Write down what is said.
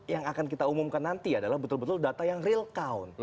yang akan kita umumkan nanti adalah betul betul data yang real count